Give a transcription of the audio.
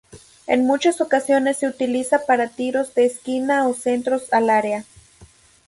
En muchas ocasiones se utiliza para tiros de esquina o centros al área.